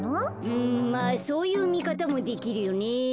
うんまあそういうみかたもできるよね。